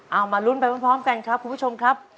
เอามาลุ้นไปพร้อมกันครับคุณผู้ชมครับ